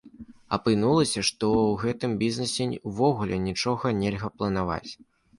Апынулася, што ў гэтым бізнесе ўвогуле нічога нельга планаваць.